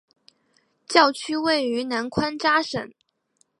教区位于南宽扎省。